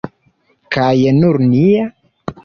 Kaj nur nia!